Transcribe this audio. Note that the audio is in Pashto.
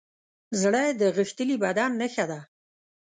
زړه د غښتلي بدن نښه ده.